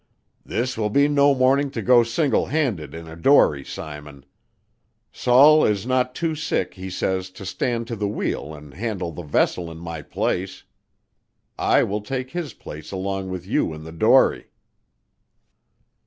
"This will be no morning to go single handed in a dory, Simon. Saul is not too sick, he says, to stand to the wheel and handle the vessel in my place. I will take his place along with you in the dory."